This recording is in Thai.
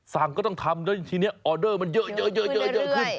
สั่งก็ต้องทำแล้วทีนี้ออเดอร์มันเยอะขึ้น